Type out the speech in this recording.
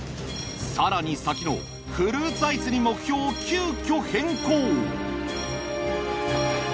更に先のフルーツアイスに目標を急きょ変更。